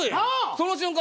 その瞬間